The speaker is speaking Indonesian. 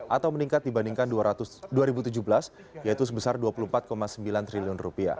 atau meningkat dibandingkan dua ribu tujuh belas yaitu sebesar rp dua puluh empat sembilan triliun